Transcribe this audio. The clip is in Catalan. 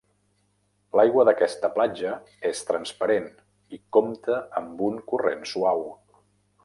L'aigua d'aquesta platja és transparent i compta amb un corrent suau.